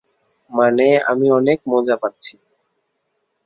মানে আমি অনেক মজা পাচ্ছি।